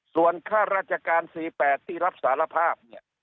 ส่วนค่าราชการ๔๘ที่รับสารภาพเนี่ย